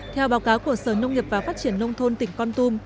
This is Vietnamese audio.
theo báo cáo của sở nông nghiệp và phát triển nông thôn tỉnh con tum